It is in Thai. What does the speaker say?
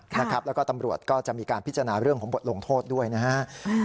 แล้วก็ตำรวจก็จะมีการพิจารณาเรื่องของบทลงโทษด้วยนะฮะ